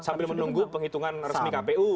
sambil menunggu penghitungan resmi kpu